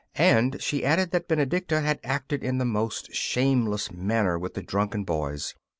And she added that Benedicta had acted in the most shameless manner with the drunken boys.